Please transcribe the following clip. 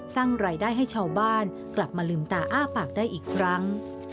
สร้างรายได้ให้ชาวบ้านกลับมาลืมตาอ้าปากได้อีกครั้ง